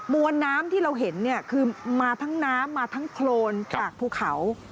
วนน้ำที่เราเห็นเนี่ยคือมาทั้งน้ำมาทั้งโครนจากภูเขา